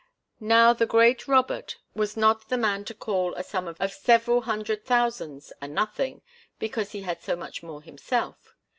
Now the great Robert was not the man to call a sum of several hundred thousands a nothing, because he had so much more himself.